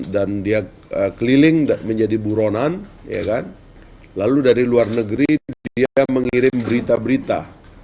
dan dia keliling menjadi buronan lalu dari luar negeri dia mengirim berita berita